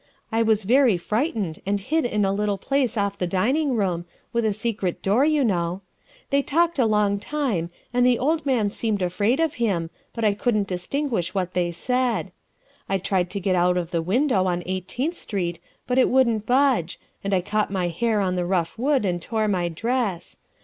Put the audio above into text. I was very frightened and hid in a little place off the dining room, with a secret door you know. They talked a long time, and the old man seemed afraid of him, but I couldn't distinguish 23 354 THE WIFE OF what they said. I tried to get out of the window on Eighteenth Street, but it wouldn't budge, and I caught my hair on the rough wood and tore my dress.